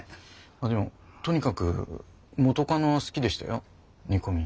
あっでもとにかく元カノは好きでしたよ煮込み。